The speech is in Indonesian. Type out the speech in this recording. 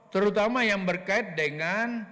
terutama yang berkait dengan